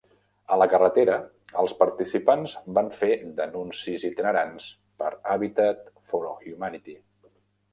A la carretera, els participants van fer d'anuncis itinerants per Habitat for Humanity.